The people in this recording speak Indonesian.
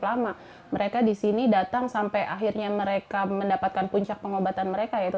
lama mereka disini datang sampai akhirnya mereka mendapatkan puncak pengobatan mereka yaitu